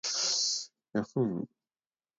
yahhoo